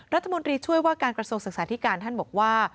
รัฐมนตรีช่วยว่าการกระทรวงศึกษาธิการท่านบอกว่า